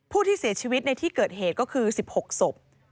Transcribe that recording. ผู้ที่เสียชีวิตในที่เกิดเหตุก็คือ๑๖ศพ